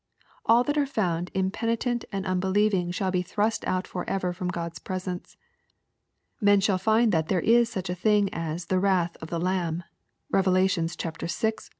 All that are found impenitent and unbelieving shall be thrust out forever from God's presence. Men shall find that there is such a thing as " the wrath of the Lamb." (Rev. vi. 16.)